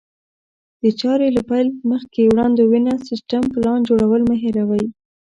د چارې له پيل مخکې وړاندوینه، سيستم، پلان جوړول مه هېروئ.